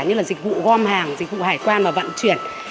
như là dịch vụ gom hàng dịch vụ hải quan và vận chuyển